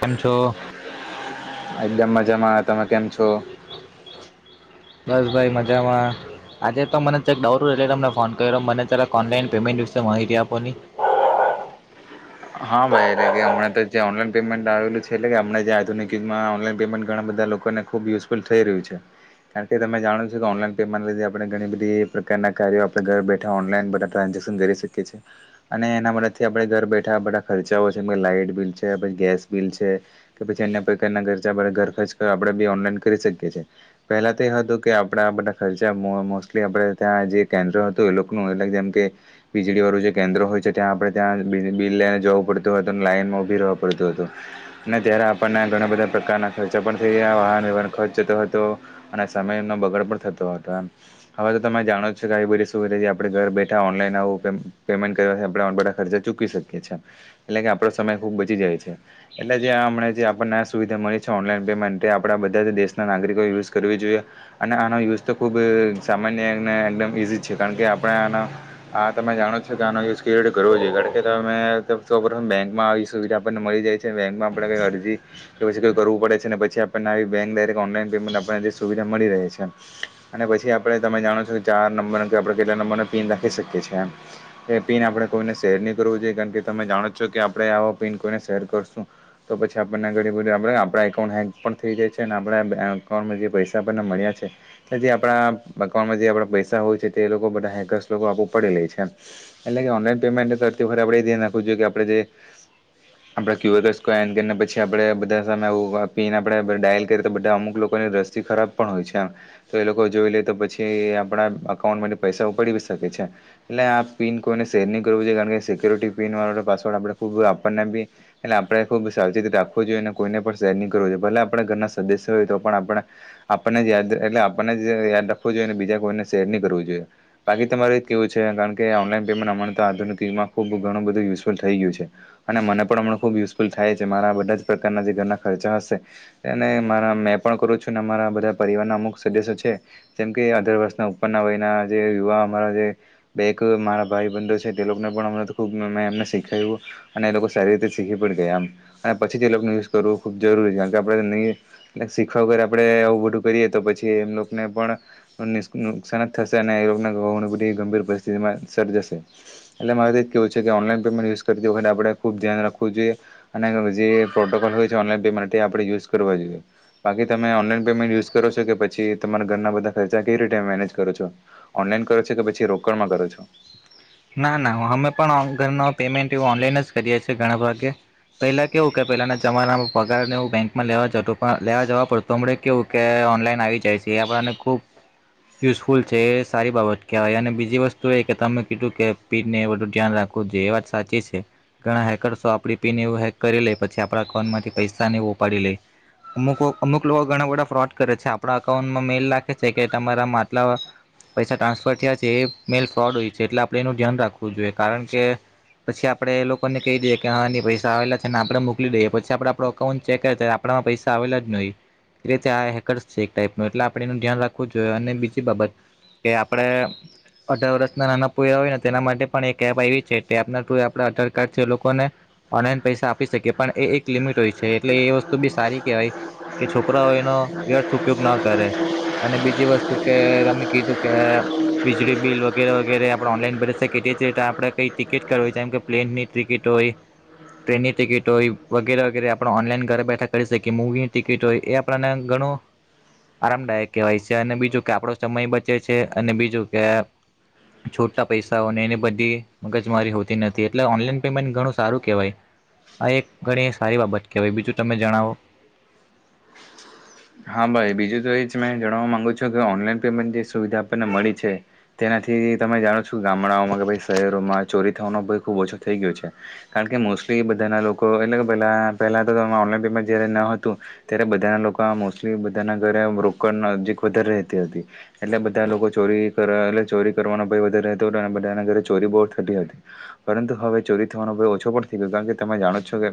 કેમ છો? એકદમ મજામાં. તમે કેમ છો? બસ ભાઈ મજામાં આજે તો મનેક દોરું એટલે તમને ફોન કર્યો મને ઓનલાઈન પેમેન્ટ વિશે માહિતી આપો ની. હા ભાઈ એટલે કે હણાં તો જે ઓનલાઈન પેમેન્ટ આવેલું છે એટલે કે આપણા આધુનિક યુગમાં ઓનલાઈન પેમેન્ટ ઘણા બધા લોકોને ખુબ યુઝફુલ થઈ રહ્યું છે, કારણ કે તમે જાણો છો કે ઓનલાઈન પેમેન્ટથી આપણે ઘણી બધી પ્રકારના કાર્યો આપણે ઘર બેઠા ઓનલાઈન બધા ટ્રાન્ઝેક્શન કરી શકીએ છીએ, અને એના મદથી આપણે ઘર બેઠા બધા ખર્ચાઓ છેમ લાાઈટ બિલ છે પછી ગેસ બિલ છે કે પછી એન્ય પ્રકારના ખર્ચા ઘર ખર્ચ આપણેે બી ઓનલાઈન કરી શકીએ છએ પહેલા તે હતું કે આપડા બધા ખર્ચા મોસ્ટલી આપણેે ત્યાં જે કેન્દ્રો હતું એ લોકોનું એટ જેમ કે વીજળી વાળું જે કેન્દ્રો હોય છે ત્યાં આપણે ત્યાં બિલ લઈને જોવું પડતું હતું અને લાઈઇનમાં ઊભી રહેવુ પડતું હતું, અને ત્યારે આપણને ઘણા બધા પ્રકારના ખર્ચા પણ થઈ ગયા વાહન વ્યવહાર ખર્ચ જતો હતો, અને સમયનો બગડ પણ થતો હતો હવે તો તમે જાણો જો કે આવી બધી સુવિધા જે આપણે ઘર બેઠા ઓનલાઈન આવું પેમેન્ટ કરવાથી આપણે બધા ખર્ચા ચૂકવી શકીએ. એટલે કે આપણો સમય ખૂબ બચી જાય છે એટલે જે હમણા જે આપણને આ સુવિધા મળી છે ઓનલાઈન પેમેન્ટ એ આપણા બધા જ દેશના નાગરિકોએ યુઝ કરવી જોઈએ અને આનો યુઝ તો ખૂબ સામાન્યને એકદમ ઇઝી છે કારણ કે આપણે આનો આ તમે જાણો છો કે આનો યુઝ કેવી રીતે કરવો જોઈએ કારણ કે અમેપ બેંકમાં આવી સુવિધા આપણને મળી જાય છે બેંકમાં આપણે કંઈ અરજી કે પછી કોઈ કરવું પડે છે, ને પછી આપણને આવી બેંક ડાયરેક્ટ ઓનલાઈન પેમેન્ટ આપણને જે સુવિધા મળી રહે છે અને પછી આપણે તમે જાણો છો કે ચાર નંબર કે આપણે કેટલા નંબરને પિન રાખી શકીએ છીએ એમ, એ પિન આપણે કોઈને શેરની કરવું જોઈએ કારણ કે તમે જાણો છો કે આપણે આ પિન કોઈને શેર કરશું તો પછી આપણને ઘણી બધી આપ આપણા એકકાઉન્ટ હેક પણ થઈ જાય છે અને આપણા અઉન્ટમાં જે પૈસા આપણને મળ્યા છે્યા જે આપણા અઉન્ટમાં જે આપણા પૈસા હોય છે તે એ લોકો બધા હેકર્સ લોકો આપું પડે લે છે એટલે કે ઓનલાઈન પેમેન્ટ આપણેે ધ્યાન રાખવું જોઈએ કે આપણે જે આપડા ક્યુઆર સ્કેન કરીને પછી આપડે બધા સામે આવ પીન આપણે ડાયલ કરીએ તો બધા અમુક લોકોની રસ્તી ખરાબ પણ હોય છે, આમ તો એ લોકો જોઈ લે તો પછી આપણા અઉન્ટમાં પૈસા ઉપાડી શકે છે, એટલે આ પીન કોઈને શેર નહી કરવું જોઈએ કારણ કે સિક્યોુરિટી પિન વાળા પાસવર્ડ આપણે ખૂબ આપણને બી એટલે આપણે ખૂબ સાવચીતી રાખવું જોઈએ અને કોઈને પણ શેર નહીં કરવો જોઈએ ભલે આપણે ઘરના સદસ્ય હોય તો પણ આપણે આપણને જ યાદ એટલે આપણને જ યાદ રાખવું જોઈએ અને બીજા કોઈને શેર નહીં કરવું જોઈએ બાકી તમારે એ જ કેવું છે કારણ કે ઓનલાઈન પેમેન્ટ અમં તો આધુનિકમાં ખૂબ ઘણું બધું યુઝફુલ થઈ ગયું છે અને મને પણ હમણાં ખૂબ યુઝફુલ થાય છે મારા બધા જ પ્રકારના જે ઘરના ખર્ચા હશે અને મારા મેં પણ કરું છું અરા બધા પરિવારના અમુક સદસ્યો છે જેમ કે અઢર વર્ષના ઉપરના વયના જે યુવા અમારા જે બેક મારા ભાઈ બંધો છે તે લોકોને પણ હમણાં ખૂબ મેં એમને શીખાય્યું અને એ લોકો સારી રીતે શીખી પણ ગયા એમ અને પછી જ એ લોકોનું યુઝ કરવું ખૂબ જરૂરી છે કારણ કે આપણે નહીં શીખવા વગર આપણે આવું બધું કરીએ તો પછી એમ લોકોને પણ નુકસાન જ થશે અને એ લોકોને ઘની બધી ગંભીર પરિસ્થિતિમાં સર્જશે એટલે મારે કેવું છે કે ઓનલાઈન પમેન્ટ યુઝ કરતી વખતે આપણે ખુબ ધ્યાન રાખવું જોઈએ અને જે પ્રોટોકોલ હોય છે ઓનલાન પેમેન્ટ માટે આપણે યુઝ કરવા જોઈએ બાકી તમે ઓનલાઈન પેમેન્ટ યુઝ કરો છો કે પછી તમારા ઘરના બધા ખર્ચા કઈ રીતે મેનેજ કરો છો ઓનલાઈન કરો છો કે પછી રોકડમાં કરો છો? ના ના અમે પણ ઓન ઘરનો પેમેન્ટ એવું ઓનલાઈન જ કરીએ છીએ ઘણા ભગે પહેલા કેવું કે પહેલાના તમારા પગારને હું બેંકમાં લેવા જતો પણ લેવા જવા પડત તો હમણા કેવું કે ઓનલાઈન આવી જાય છે એ આપણને ખૂબ યુઝફુલ છે એ સારી બાબત કહેવાય અને બીજી વસ્તુ એ કે તમે કીધું રાખવું જોઈ એ વાત સાચી છે ઘણા હેકર્સો આપ પીન એવ હેક કરી લે પછી આપણા અઉન્ટમાંથી પૈસા નહી ઉપાડી લે અમુક અમુક લોકો ઘણા બધા ફ્રોડ કરે છે આપણા અકાઉન્ટમાં મેલ રાખે છે કે તમારામાં આટલા પૈસા ટ્રાન્સફર થયા છે એ મેલ ફ્રોડ હોય છે એટ આપ એનું ધ્યાન રાખવું જોઈએ કારણ કે પછી આપણે એ લોકોને કહી દઈએ કે હા એ પૈસા આવેલા છે ને આપણે મોકલી દઈએ પછી આપડે આપો અઉન્ટ ચેક કર આપણામાં પૈસા આવેલા જ નહી એ રીતે આ હેકર્સ છે એક ટાઈપ ન એટલે આપણે એનું ધ્યાન રાખવું જોઈએ અને બીજી બાબત કે આપણે અઢાર વર્ષના નાના કો હો ને તેના માટે પણ એક એપ આવી છે કેના ટુ આપ આધાર કાર્ડ છે એ લોકોને ઓનલાઈન પૈસા આપી શકીએ પણ એ એક લિમિટ હોય છે એટલે એ વસ્તુ બી સારી કહેવાય કે છોકરાઓ એનો વ્યર્થ ઉપયોગ ન કરે અને બીજી વસ્તુ કે અમે કીધું કે વીજળી બિલ વગેરે વગેરે ઓનલાઈન ભરી શકીએ તે જ રીતે આપણે કઈ ટિકિટ કરવી જેમ કે પ્લેનની ટિકિટ હોય ટ્રેનની ટિકિટ હોય વગેરે વગેરે આપણે ઓનલાઈન ઘરે બેઠા કરી શકીએ મૂવીની ટિકિટ હોય એ આપણને ઘણું આરામદાયક કહેવાય છે અને બીજું કે આપણો સમય બચે છે અને બીજું કે છોટા પૈસાઓ ને એની બધી મગજ મારી હોતી નથી એટલે ઓનલાઈન પેમેન્ટ ઘણું સારું કહેવાય, આ એક ઘણી સારી બાબત કહેવાય બીજું તમે જણાવો. હા ભાઈ બીજું તો એ જ મે જણવા માંગુ છું કે ઓનલાઈન પેમેન્ટ જે સુવિધા આપણને મળી છે, તેનાથી તમે જાણો શું ગામડાઓમાં કે ભાઈ શહેરોમાં. ચોરી થવાનો ભ ખૂબ ઓછો થઈ ગયો છે, કારણ કે મોસ્ટલી બધાના લોકો એટલે કે પહેલાં પહેલાં તોમે ઓનલાઈન પેમેન્ટ જ્યારે ન હતું, ત્યારે બધાના લોકો મોસ્ટલી બધાના ઘરે રોકડ નજીક વધારે રહેતી હતી, એટલે બધા લોકો ચોરી કરવા એટલે ચોરી કરવાનો ભય વધારે રહેતો હતો, અને બધાના ઘરે ચોરી બહુ થતી હતી પરંતુ હવે ચોરી થવાનો ભય ઓછો પણ થઈ ગયો, કારણ કે તમે જાણો જ છો કે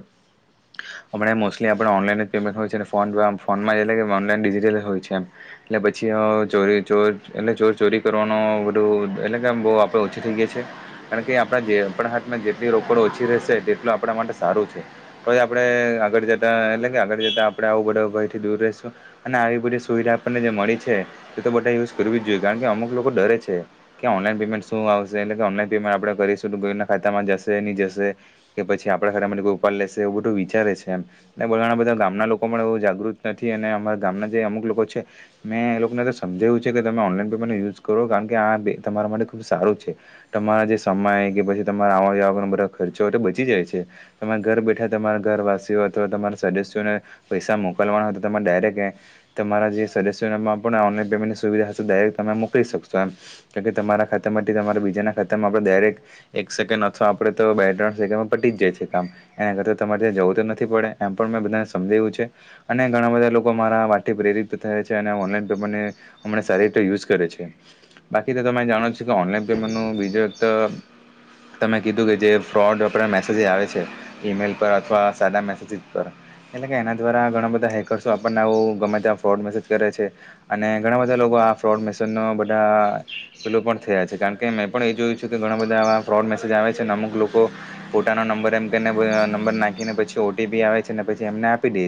હમણા મોસ્ટલી આપણે ઓનલાઈન જ પેમેન્ટ હોય છે ફોન ફોનમાં એટ ઓનલાઈન ડિજિટલ હોય છે એમ એટલે પછી ચોરી ચોર એટલે ચોર ચોરી કરવાનો બધું એટલે કેમ બહુ આપણે ઓછી થઈ ગયા છીએ કારણ કે આપણા જે આપણા હાથમાં જેટલી રોકડ ઓછી રહેશે તેટલો આપણા માટે સારું છે તો આપણે આગળ જતાં એટલે કે આગળ જતાં આપણે આવું બધા ભયથી દૂર રહેશું. અને આવી બધી સુવિધા આપણને જે મળી છે એ તો બધા યુઝ કરવી જ જોઈએ કારણ કે અમુક લોકો ડરે છે કે ઓનલાઈન પેમેન્ટ શું આવશે એટલે કે ઓનલાન પેમેન્ટ આપણે કરીશું કોના ખાતામાં જશે નહી જશે કે પછી આપડા ખાતામાં કોઈ ઉપાર લેશે એવું બધું વિચારે છે એમ બણા બધા ગામના લોકો પણ એવું જાગૃત નથી અને રા ગામના જે અમુક લોકો છે મેં એ લોકોને તો સમજાવું છે કે તમે ઓનલાઈન પેમેન્ટ યુઝ કરો કારણ કે આ બે તમારા માટે ખૂબ સારું છે તમારા જે સમય કે પછી તમારા આવા જવા બધા ખર્ચો હોય તો બચી જાય છે તમે ઘર બેઠા તમારા ઘરવાસીઓ અથવા તમારા સદસ્યોને પૈસા મોકલવાના હોય તો તમારે ડાયરેક્ટ તમારા જે સદસ ઓનલાન પેમેન્ટની સુવિધા હશે ડાયક તમે મોકલી શકશો એમ તમારા ખાતા માંથી તમારા બીજાના ખાતામાં ડાયરેક્ટ એક સેકન્ડ અથવા આપડ તો બે ત્રણ સેકન્ડ પટી જ જાય છે કામ એના કરતા તમારે ત્યાં જવું તો નથી પડે એમ પણ મેં બધાને સમજ્યું છે અને ઘણા બધા લોકો લોકો મારા વાથી પ્રેરિત થાય છે અને ઓનલાઈન પેમેન્ટને હમને સારી રીતે યુઝ કરે છે બાકી તો તમે જાણો છ કે ઓનલાઈન પેમેન્ટનું બીજ વખત તમે કીધું કે જે ફ્રોડરા મેસેજ આવે છે ઈમેલ પર અથવા સાદા મેસેજસ પર એટલે કે એના દ્વારા ઘણા બધા હેકર્સ આપને આવ ગમે ત્યાં ફ્રોડ મેસેજ કરે છે અને ઘણા બધા લોકો આ ફ્રોડ મેસેજ ન બધા પલો પણ થયા છે કારણ કે મેં પણ એ જોયું કે ઘણા બધા ફ્રોડ મેસેજ આવે છેને અમુક લોકો પોતાનો નંબર એમને નંબર નાખીને પછી ઓ ટી પી આવે છે પછી એમને આપી દે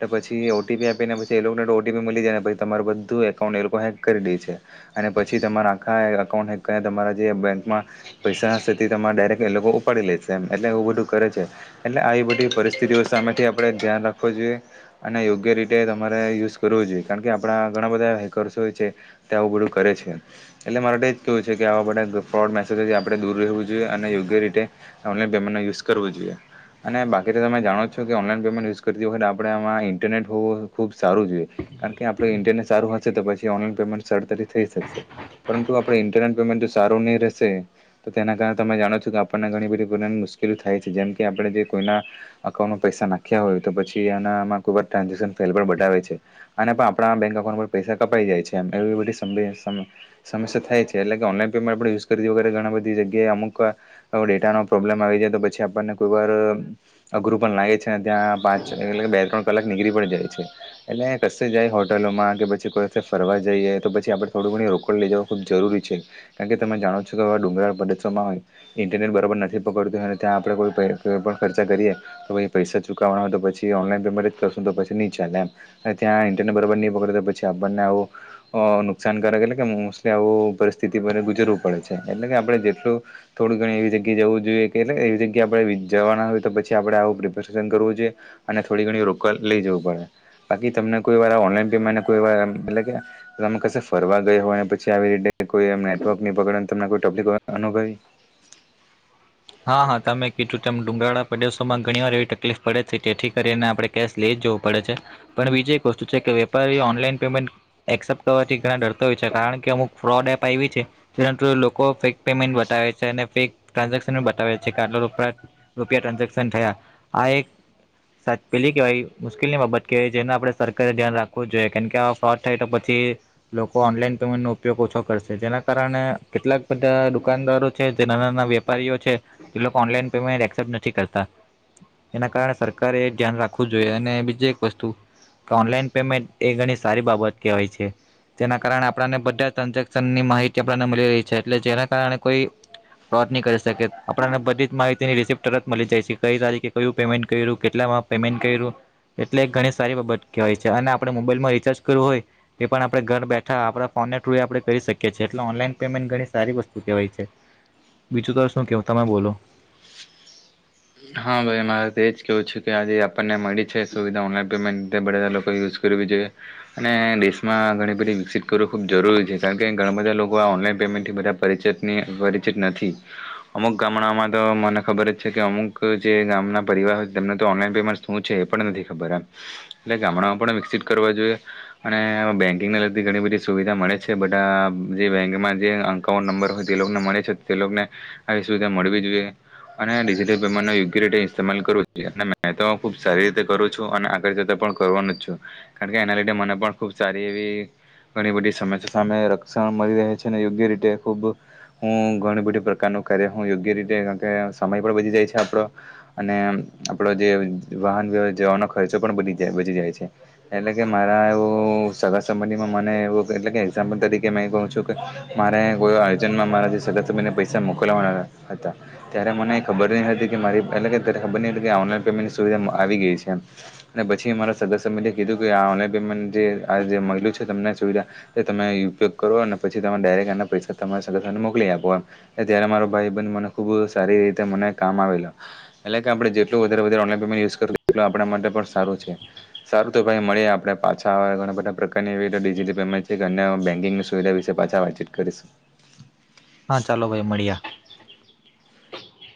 છે પછી પછી ઓટીપી આપીને પછી એ લોકોને ઓટીપી મળી જાય પછી તમાર બધું એકાઉન્ટ એ લોકો હેક કરી દે છે, અને પછી તમારા આખા એકાઉન્ટ હેક કરીને તમારા જે બેંકમાં પૈસા હશેથી તમારે ડાયરેક્ટ એ લોકો ઉપાડી લે છે. તેમ એટલે એવું બધું કરે છે એટલે આવી બધી પરિસ્થિતિઓ સામેથી આપણે ધ્યાન રાખવું જોઈએ. અને યોગ્ય રીતે તમારે યુઝ કરવો જોઈએ કારણ કે આપણા ઘણા બધા હેકર્સોય છે તે આવું બધું કરે છે એટલે મારે એ જ કેવું છે કે આવા બા ફ્રોડ મેસેજો છે આપણે દૂર રહેવું જોઈએ અને યોગ્ય રીતે ઓનલાઈન પેમેન્ટનો યુઝ કરવું જોઈએ અને બાકી તો તમે જાણો છો કે ઓનલાઈન પેમેન્ટ યુઝ કરતી વખતે આપણે આમા ઈ ઇન્ટરનેટ હોવું ખૂબ સારું જોઈએ કારણ કે આપણે ઇન્ટરનેટ સારું હશે તો પછી ઓનલાઈન પેમેન્ટ સરળતાથી થઈ શકશે પરંતુ આપણે ઇન્ટરનેટ પેમેન્ટ સારું નહી રહેશે તો તેના કારણે તમે જાણો છો કે આપણને ઘણી બધીની મુશ્કેલી થાય છે જેમ કે આપણે જે કોઈના અકાઉન્ટમાં પૈસા નાખ્યા હોય તો પછી એનામાં ખૂબ જ ટ્રાન્ઝેક્શન ફેલ પણ બતાાવવે છે અને આપણા બેંક અકાઉન્ટ પર પૈસા કપાઈ જાય છે એમ એવી બધી સમ સમસ્યા થાય છે એટલે કે ઓનલાઈન પેમેન્ટ આપણે યુઝ કરીતી વગર ઘણા બધી જગ્યાએ અમુક ડેટાનો પ્રોબ્લેમ આવી જાય તો પછી આપણને કોઈ વાર અઘરું પણ લાગે છે ને ત્યાં પાંચ એટલે બે ત્રણ કલાક નીકળી પણ જાય છે એટલે કશે જાય હોટલોમાં કે પછી કોઈસે ફરવા જઈએ તો પછી આપણે થોડી ઘણી રોકડ લઈ જવું ખૂબ જરૂરી છે કારણ કે તમે જાણો છો કે હવા ડુંગળ પદશોમાં હોય ઇન્ટરનેટ બરાબર નથી પકડતું હોય અને ત્યાં આપણે કોઈ પઈ પણ ખર્ચા કરીએ તો પછી પૈસા ચૂકવવાના હોય તો પછી ઓનલાઈન પેમેન્ટ જ કરશુ પછી ની ચાલે એમ ત્યાં ઇન્ટરનેટ બરાબર નહી પકડે તો પછી આપણને આવું અ નુકસાનકારક એટલે કે મોસ્ટલી આવું પરિસ્થિતિ પર ગુજરવું પડે છે એટલે કે આપણે જેટલું થોડું ઘણી એવી જગ્યાએ જવું જોઈએ કે એટલે એવી જગ્યાએ આપણે જવાના હોય તો પછી આપણેે આવું પ્રિપેરેશન કરવું જોઈએ અને થોડી ઘણી રો લઈ જવું પડે બાકી તમને કોઈ વાર ઓનલાઈન પેમેન્ટ તમે કસે ફરવા ગયા હોય પછી આવી રીતે કોઈ નેટવર્ક ની પકડે તફલીલી અનુભવી હા હા તમે કીધું ડુંગાળા પડદેશોમાં ઘણી વાર એવી તકલીફ પડે છે જેથી કરીને આપણે કેશ લઈ જ જવું પડે છે પણ બીજી એક વસ્તુ છે કે વેપારી ઓનલાઈન પેમેન્ટ એસેપ્ટ કરવાથી ઘણા ડરતા હોય છે કારણ કે અમુક ફ્રોડ એપ આવી છે તે લોકો ફેક પેમેન્ટ બતાવે છે અને ફેક ટ્રાન્ બતાવે છે આટલા રોકડા રૂપિયા ટ્રાન્ઝેક્શન થયા આ એક પેલી કેવાય મુશ્કેલની બાબત કેવાય જેને આપણે સરકારે ધ્યાન રાખવું જોઈએ કેન કે આવા ફ્રોડ થાય તો પછી લોકો ઓનલાઈન પેમેન્ટ ઉપયોગ ઓછો કરશે જેના કારણે કેટલાક બધા દુકાનદારો છે જેના નાના વેપારીઓ છે જે લોકો‌ ઓનલાઈન પેમેન્ટ એસેપ્ટ નથી કરતા એના કારણે સરકારે એ ધ્યાન રાખવું જોઈએ અને બીજી એક વસ્તુ ઓનલાઈન પેમેન્ટ એ ઘણી સારી બાબત કહેવાય છે તેના કારણે આપને બધા ટ્રાન્ઝેક્શનની માહિતી આપને મલી રહી છે એટલે જેના કારણે કોઈ ફોડ ની શકે આપણને બધી જ માહિતીની રિસીપત તરત મલી જાય છે કઈ તારીખે કયું પેમેન્ટ કર્યું કેટલામાં પેમેન્ટ કર્યું એટલે ઘણી સારી બાબત કહેવાય છે અને આપણે મોબાઈલમાં રિચાર્જ કરવું હોય તે પણ આપણે ઘર બેઠા આપણા ફોનના થ્રુએ આપણે કરી શકીએ છીએ એટલે ઓનલાઈન પેમેન્ટ ઘણી સારી વસ્તુ કહેવાય છે બીજું તો શું કેવ તમે બોલો હા ભાઈ મારે તો એ જ કેવું છે કે આજે આપને મળી છે સુવિધા ઓનલાન પેમેન્ટ તે બધ બધા લોકોએ યુઝ કરવી જોઈએ અને દેશમાં ઘણી બધી વિકસિત કરવું ખૂબ જરૂરી છે કારણ કે ઘણા બધા લોકો આ ઓનલાઈન પેમેન્ટથી બધા પરિચિતની પરિચિત નથી અમુક ગામડાઓમાં તો મને ખબર જ છે કે અમુક જે ગામના પરિવાર હોય તેમને તો ઓનલાઈન પેમેન્ટ શું છે એ પણ નથી ખબર એમ એટલે ગામડામાં પણ વિકસિત કરવા જોઈએ અને બેન્કિંગને લગતી ઘણી બધી સુવિધા મળે છે બધા આ જે બેંકમાં જે અકાઉન્ટ નંબર હોય તે લોકોને મળે છે તે લોકોને આવી સુવિધા મળવી જોઈએ અને ડિજિટલ પેમેન્ટનો યોગ્ય રીતે ઇટસ્માલ કરવું છે અને મેં તો ખૂબ સારી રીતે કરું છું અને આગળ જતા પણ કરવાનું જ છું કારણ કે એના લીધે મને પણ ખૂબ સારી એવી ઘણી બધી સમસ્યા સામે રક્ષણ મળી રહે છે અને યોગ્ય રીતે ખૂબ હું ઘણી બધી પ્રકારનું કાર્ય હું યોગ્ય રીતે કારણ કે સમય પણ બચી જાય છે. આપણો અને આપણો જે વાહન વ્યવ જવાનો ખર્ચો પણ બચી બચી જાય છે એટલે કે મારા એવું સગા સંબંધીમાં મને એવું એટલે કે એક્ઝામ્પલ તરીકે મે કહું છું કે મારે કો અર્જન્ટમાં મારા જે સગા સંબંધીને પૈસા મોકલવાના હતા ત્યારે મને ખબર નહી હતી કે મારી એટલે કે ત્યારે ખબર ની એટલે કે ઓનલાઈન પેમેન્ટની સુવિધા આવી ગઈ છે એમ અને પછી મારા સગસબંધએ કીધું કે આ ઓનલાઈન પેમેન્ટ જે આ જે મયલુ છે તમને સુવિધા એ તમે ઉપયોગ કરો અને પછી તમે ડાયરેક્ટ આના પૈસા તમારા સગાસને મોકલી આપો એમ ત્યારે મારો ભાઈ બને મને ખૂબ સારી રીતે મને કામ આવેલા એટલે કે આપણે જેટલું વધારે વધારે ઓનલાઇન પેમેન્ટ યુઝ કરશુ તેટલુ આપણા માટે પણ સારું છે સારું તો ભાઈ મળયે પાછા ધણા બધા પ્રકારની એવી રીતે ડિજિટલ પેમેન્ટ છે કે અન્ય બેન્કિંગ સુવિધા વિસે પાછા વાતચીત કરીશ હા ચાલો ભાઈ મળીયા